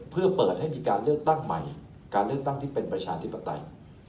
เพื่อเปิดให้มีการเลือกตั้งใหม่การเลือกตั้งที่เป็นประชาธิปไตย